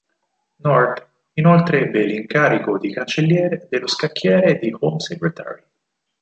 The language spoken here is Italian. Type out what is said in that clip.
North inoltre ebbe l'incarico di Cancelliere dello Scacchiere e di Home Secretary.